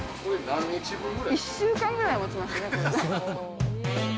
１週間ぐらいもちますね、これで。